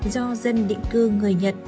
do dân định cư người nhật